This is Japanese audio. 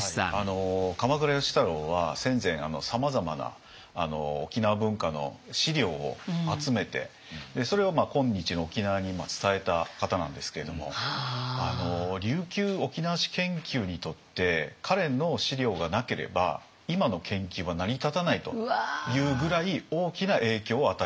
鎌倉芳太郎は戦前さまざまな沖縄文化の資料を集めてそれを今日の沖縄に伝えた方なんですけれども琉球沖縄史研究にとって彼の資料がなければ今の研究は成り立たないというぐらい大きな影響を与えた。